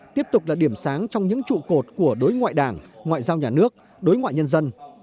tiếp tục là điểm sáng trong những trụ cột của đối ngoại đảng ngoại giao nhà nước đối ngoại nhân dân